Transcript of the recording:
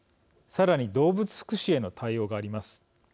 さらに動物福祉への対応があります。